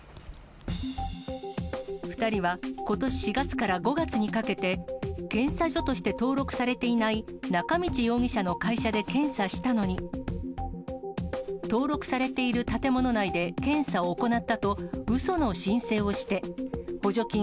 ２人は、ことし４月から５月にかけて、検査所として登録されていない中道容疑者の会社で検査したのに、登録されている建物内で検査を行ったと、うその申請をして、補助金